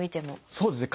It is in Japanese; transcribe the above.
そうですね。